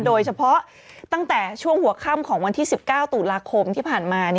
โดยเฉพาะตั้งแต่ช่วงหัวค่ำของวันที่๑๙ตุลาคมที่ผ่านมา